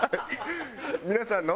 「皆さんの」？